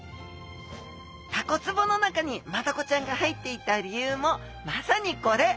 タコ壺の中にマダコちゃんが入っていた理由もまさにこれ！